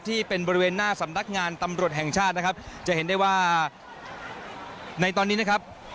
บริเวณหน้าสำนักงานตำรวจแห่งชาตินะครับจะเห็นได้ว่าในตอนนี้นะครับ